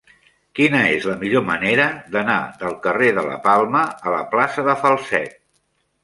Quina és la millor manera d'anar del carrer de la Palma a la plaça de Falset?